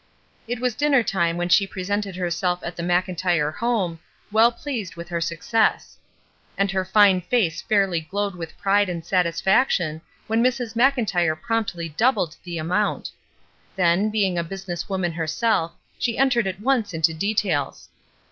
It was dinner time when she presented herself at the Mclntyre home, well pleased with her success. And her fine face fairly glowed with pride and satisfaction when Mrs. Mclntyre promptly doubled the amount. Then, being a business woman herself, she entered at once into details.